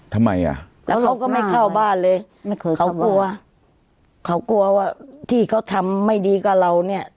ทำไมอ่ะแล้วเขาก็ไม่เข้าบ้านเลยไม่เคยเขากลัวเขากลัวว่าที่เขาทำไม่ดีกับเราเนี่ย